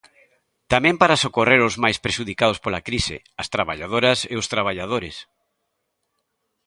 Tamén para socorrer os máis prexudicados pola crise, as traballadoras e os traballadores.